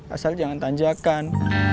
asal jangan tanjakan